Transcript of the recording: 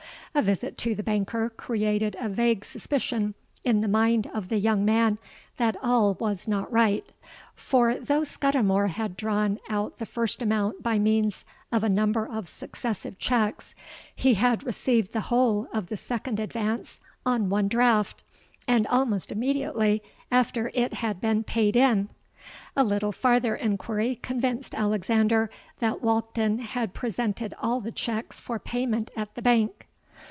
A visit to the banker created a vague suspicion in the mind of the young man that all was not right;—for though Scudimore had drawn out the first amount by means of a number of successive cheques, he had received the whole of the second advance on one draught, and almost immediately after it had been paid in. A little farther enquiry convinced Alexander that Walkden had presented all the cheques for payment at the bank.